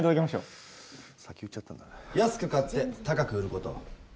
安く買って、高く売る事。